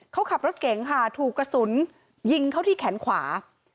เขาขับรถเก๋งค่ะถูกกระสุนยิงเข้าที่แขนขวา